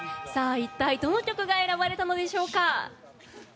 一体どの曲が選ばれたのでしょうか。